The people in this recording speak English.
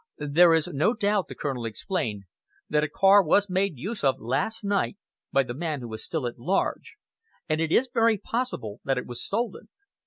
"There is no doubt," the Colonel explained, "that a car was made use of last night by the man who is still at large, and it is very possible that it was stolen.